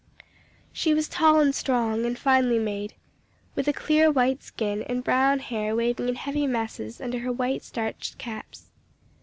She was tall and strong, and finely made, with a clear white skin, and brown hair waving in heavy masses under her white starched caps.